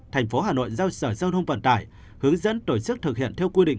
tp hcm giao sở giao thông vận tải hướng dẫn tổ chức thực hiện theo quy định